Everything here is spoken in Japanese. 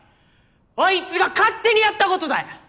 アイツが勝手にやったことだよ！